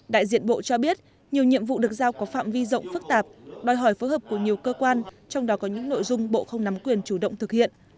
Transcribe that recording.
đại diện bộ cho biết nhiều nhiệm vụ được giao có phạm vi rộng phức tạp đòi hỏi phối hợp của nhiều cơ quan trong đó có những nội dung bộ không nắm quyền chủ động thực hiện